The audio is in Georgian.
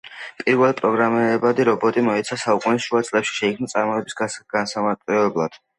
პირველი პროგრამირებადი რობოტი მეოცე საუკუნის შუა წლებში შეიქმნა წარმოების გასამარტივებლად